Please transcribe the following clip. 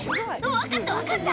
「分かった分かった！